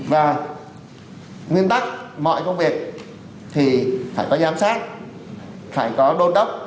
và nguyên tắc mọi công việc thì phải có giám sát phải có đôn đốc